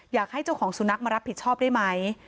อยากให้เจ้าของสุนัขมารับผิดชอบได้ไหม